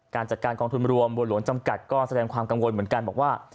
จัดการกองทุนรวมบัวหลวงจำกัดก็แสดงความกังวลเหมือนกันบอกว่า